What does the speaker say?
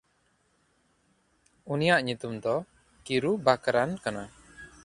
ᱩᱱᱤᱭᱟᱜ ᱧᱩᱛᱩᱢ ᱫᱚ ᱠᱤᱨᱩᱵᱟᱠᱟᱨᱟᱱ ᱠᱟᱱᱟ᱾